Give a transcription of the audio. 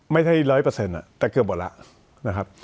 ไม่ได้๑๐๐แต่เกือบบทละนะครับ